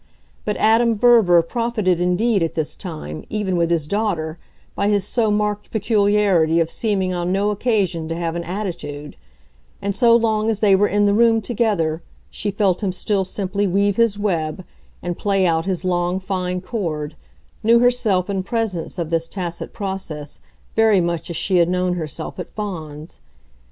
But Adam Verver profited indeed at this time, even with his daughter, by his so marked peculiarity of seeming on no occasion to have an attitude; and so long as they were in the room together she felt him still simply weave his web and play out his long fine cord, knew herself in presence of this tacit process very much as she had known herself at Fawns.